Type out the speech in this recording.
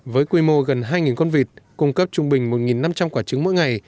với quy mô gần hai con vịt cung cấp trung bình một năm trăm linh quả trứng mỗi ngày